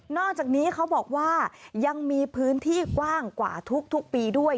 อกจากนี้เขาบอกว่ายังมีพื้นที่กว้างกว่าทุกปีด้วย